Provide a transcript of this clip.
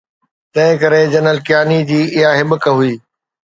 تنهن ڪري جنرل ڪياني جي اها هٻڪ هئي.